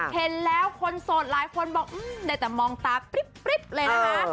เห็นแล้วคนโสดหลายคนบอกได้แต่มองตาปริ๊บเลยนะคะ